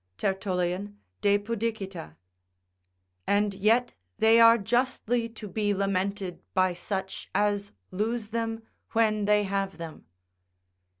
Tertullian, De Pudicita.] and yet they are justly to be lamented by such as lose them when they have them.